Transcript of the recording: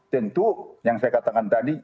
tentu yang saya katakan tadi